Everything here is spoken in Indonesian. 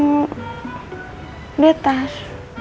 udah di atas